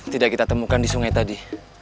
tidak kita temukan di sungai tadi